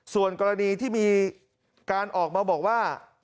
ส่วนกรณีที่มีการออกมาบอกว่า